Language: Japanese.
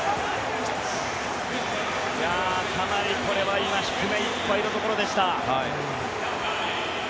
かなりこれは低めいっぱいのところでした。